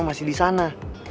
masih di sana